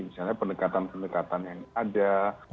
misalnya pendekatan pendekatan yang ada